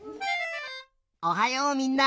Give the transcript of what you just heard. おはようみんな！